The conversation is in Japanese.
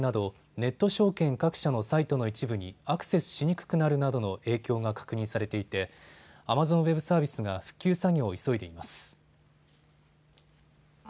ネット証券各社のサイトの一部にアクセスしにくくなるなどの影響が確認されていてアマゾンウェブサービスが復旧作業を急いでいます。